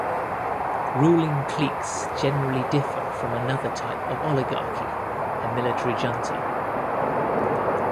Ruling cliques generally differ from another type of oligarchy: a military junta.